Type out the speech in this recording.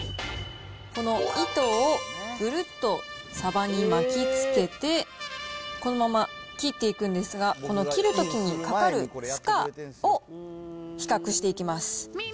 この糸をぐるっとサバに巻きつけて、このまま切っていくんですが、この切るときにかかる負荷を比較していきます。